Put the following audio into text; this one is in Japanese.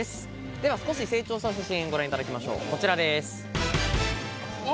では少し成長した写真をご覧いただきましょう、こちらです。